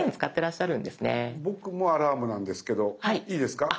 僕もアラームなんですけどいいですか。